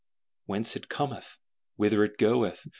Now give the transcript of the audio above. Whence it cometh? Whither it goeth?